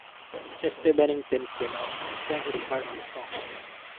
Chester Bennington came out and sang his part on the song.